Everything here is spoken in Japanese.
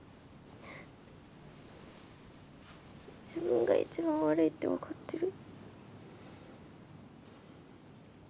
自分が一番悪いって分かってる。